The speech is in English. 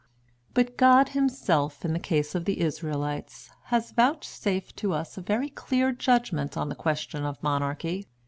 But God himself in the case of the Israelites has vouchsafed to us a very clear judgment on the question of Monarchy.